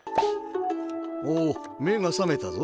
おおめがさめたぞ。